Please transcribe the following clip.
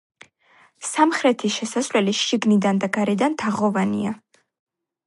სამხრეთის შესასვლელი შიგნიდან და გარედან თაღოვანია.